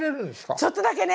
ちょっとだけね。